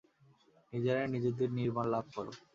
নিজেরাই নিজেদের নির্বাণ লাভ কর।